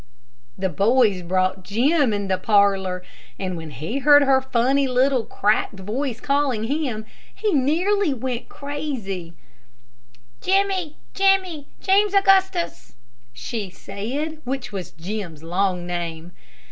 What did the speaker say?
The boys brought Jim in the parlor, and when he heard her funny, little, cracked voice calling him, he nearly went crazy: "Jimmy, Jimmy, James Augustus!" she said, which was Jim's long name.